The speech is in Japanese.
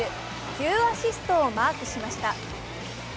９アシストをマークしました。